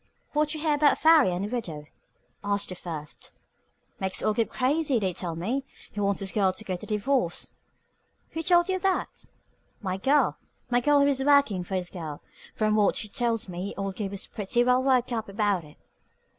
"What you hear about Farry and the widow?" asked the first. "Makes old Gabe crazy, they tell me. He wants his girl to get a divorce." "Who told you that?" "My girl. My girl is workin' for his girl. Fr'm what she tells me old Gabe is pretty well worked up about it.